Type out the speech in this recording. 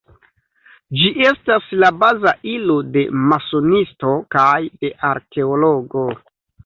Ĝi estas la baza ilo de masonisto kaj de arkeologo.